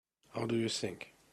How do you think?